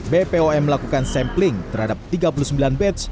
bpom melakukan sampling terhadap tiga puluh sembilan batch